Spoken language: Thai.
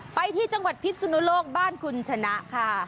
ไปที่จังหวัดพิศนุโลกบ้านคุณชนะค่ะ